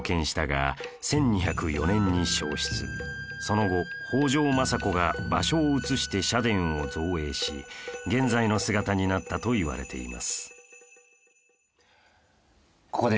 その後北条政子が場所を移して社殿を造営し現在の姿になったといわれています